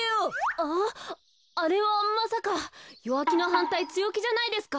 ああれはまさか弱気のはんたい強気じゃないですか？